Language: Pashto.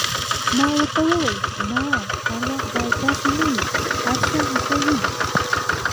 ما ورته وویل: نه، هر وخت بیا داسې نه وي، هر څه مساوي دي.